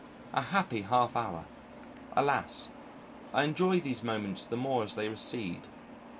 A happy half hour! Alas! I enjoy these moments the more as they recede.